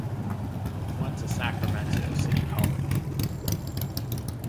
He went to Sacramento City College.